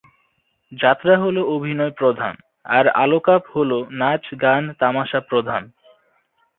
যাত্রা হলো অভিনয়প্রধান, আর আলকাপ নাচ-গান-তামাসা- প্রধান।